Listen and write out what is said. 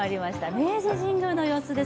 明治神宮の様子です。